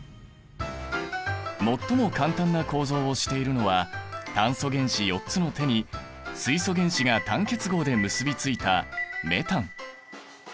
最も簡単な構造をしているのは炭素原子４つの手に水素原子が単結合で結び付いたメタン。